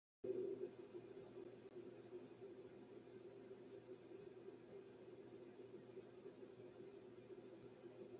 Circuit Court of Appeals, asking to be released on appeal bond.